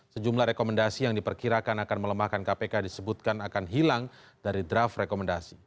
sejumlah rekomendasi yang diperkirakan akan melemahkan kpk disebutkan akan hilang dari draft rekomendasi